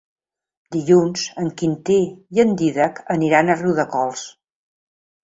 Dilluns en Quintí i en Dídac aniran a Riudecols.